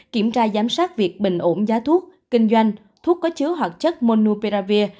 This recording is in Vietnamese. kiểm tra giám sát việc bình ổn giá thuốc kinh doanh thuốc có chứa hoạt chất monuperavir